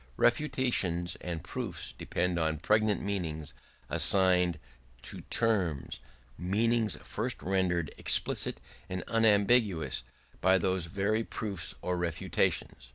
Refutations and proofs depend on pregnant meanings assigned to terms, meanings first rendered explicit and unambiguous by those very proofs or refutations.